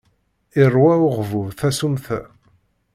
Iṛwa uɣbub tasumta.